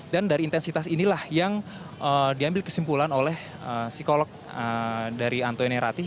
dan dari intensitas inilah yang diambil kesimpulan oleh psikolog dari antoine ratti